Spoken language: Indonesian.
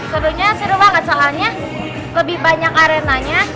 serunya seru banget soalnya lebih banyak arenanya